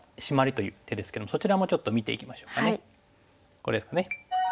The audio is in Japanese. これですかね。